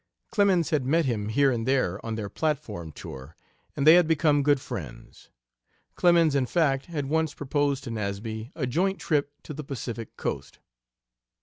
Clemens had met him here and there on their platform tour, and they had become good friends. Clemens, in fact, had once proposed to Nasby a joint trip to the Pacific coast.